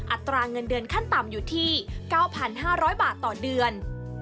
อัตราเงินเดือนขั้นต่ำอยู่ที่๙๕๐๐บาทต่อเดือน